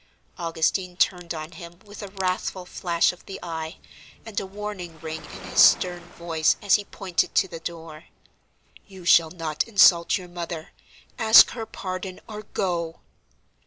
Augustine turned on him with a wrathful flash of the eye, and a warning ring in his stern voice, as he pointed to the door. "You shall not insult your mother! Ask her pardon, or go!"